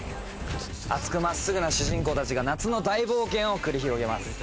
熱く真っすぐな主人公たちが夏の大冒険を繰り広げます。